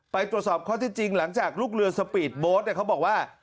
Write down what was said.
ไปตรวจสอบข้อที่จริงหลังจากลูกเรือสปีดโบ๊ทเขาบอกว่า